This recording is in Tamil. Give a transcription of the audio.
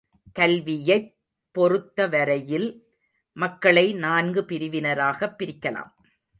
கல்வியைப் பொருத்தவரையில் மக்களை நான்கு பிரிவினராகப் பிரிக்கலாம்.